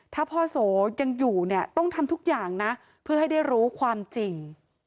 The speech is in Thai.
ถ้าพ่อโสยังอยู่เนี่ยต้องทำทุกอย่างนะเพื่อให้ได้รู้ความจริง